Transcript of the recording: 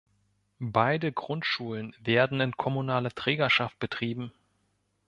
Beide Grundschulen werden in kommunaler Trägerschaft betrieben.